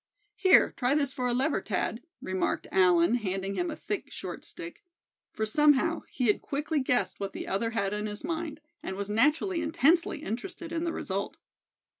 "Here, try this for a lever, Thad," remarked Allan, handing him a thick, short stick; for somehow he had quickly guessed what the other had in his mind, and was naturally intensely interested in the result.